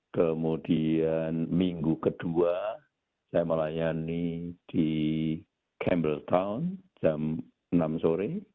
kemudian minggu kedua saya melayani di cambletown jam enam sore